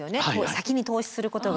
先に投資することが。